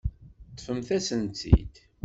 Ṭṭfemt-asen-tt-id.